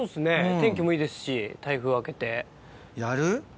天気もいいですし台風明けて。